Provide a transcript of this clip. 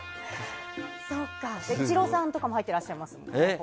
イチローさんとかも入ってらっしゃいます。